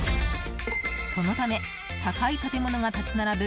そのため、高い建物が立ち並ぶ